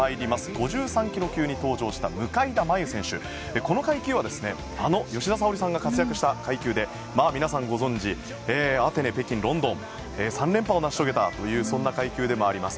５３ｋｇ級に登場した向田真優選手、この階級はあの吉田沙保里さんが活躍した階級で皆さんご存じアテネ、北京、ロンドン３連覇を成し遂げた階級でもあります。